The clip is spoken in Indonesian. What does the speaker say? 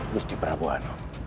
gusti prabu anum